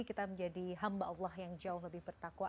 kita menjadi hamba allah yang jauh lebih bertakwa